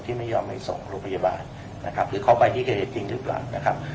ไม่ยอมให้ส่งโรงพยาบาลนะครับหรือเขาไปที่เกิดเหตุจริงหรือเปล่านะครับ